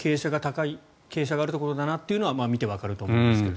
傾斜があるところだなというのは見てわかると思いますが。